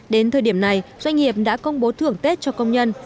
đến thời điểm này doanh nghiệp đã công bố thưởng tết cho công nhân